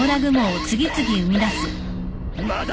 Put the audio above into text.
まだ！